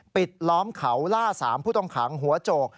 ปิดล้อมเขาล่า๓ผู้ต้องขังหัวโจก